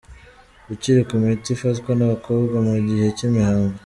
Ukuri ku miti ifatwa n’abakobwa mu gihe cy’imihango